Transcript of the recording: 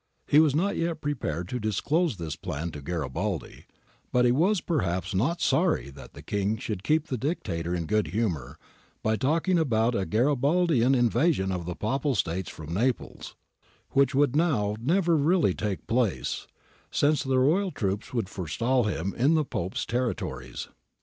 He was not yet prepared to disclose this plan to Garibaldi, but he was perhaps not sorry that the King should keep the Dictator in good humour by talking about a Garibaldian invasion of the Papal States from Naples, which would now never really take place, since the royal troops would forestall him in the Pope's territories.